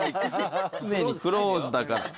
常にクローズだから。